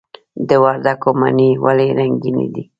د وردګو مڼې ولې رنګینې دي؟